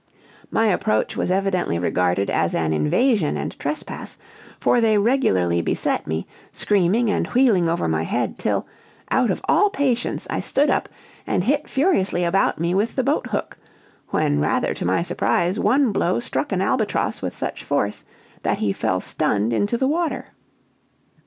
"My approach was evidently regarded as an invasion and trespass; for they regularly beset me, screaming and wheeling over my head, till, out of all patience, I stood up, and hit furiously about me with the boat hook; when, rather to my surprise, one blow struck an albatross with such force, that he fell stunned into the water.